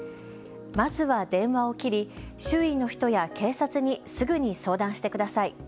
まずは電話を切り周囲の人や警察にすぐに相談してください。